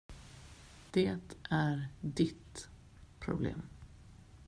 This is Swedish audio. Det är ditt problem.